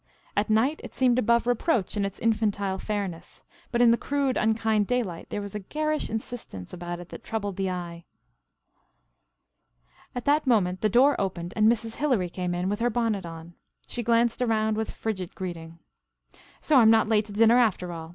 At night it seemed above reproach in its infantile fairness, but in the crude unkind daylight there was a garish insistence about it that troubled the eye. At that moment the door opened and Mrs. Hilary came in with her bonnet on. She glanced around with frigid greeting. "So I'm not late to dinner after all.